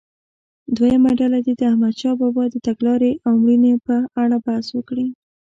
دویمه ډله دې د احمدشاه بابا د تګلارې او مړینې په اړه بحث وکړي.